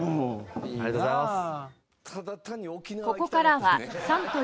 ありがとうございます。